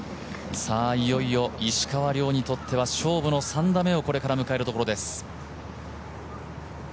いよいよ石川遼にとっては勝負の３打目をこれから迎えるところです。